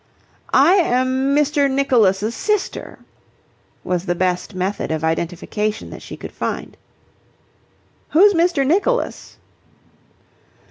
"I am Mr. Nicholas' sister," was the best method of identification that she could find. "Who's Mr. Nicholas?"